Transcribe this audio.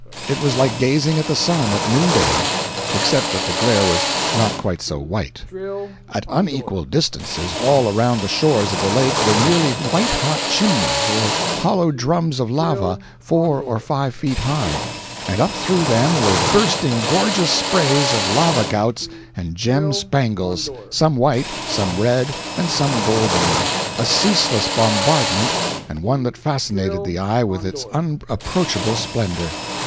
It was like gazing at the sun at noon day, except that the glare was not quite so white. At unequal distances all around the shores of the lake were nearly white hot chimneys or hollow drums of lava, four or five feet high, and up through them were bursting gorgeous sprays of lava gouts and gem spangles, some white, some red and some golden—a ceaseless bombardment, and one that fascinated the eye with its unapproachable splendor.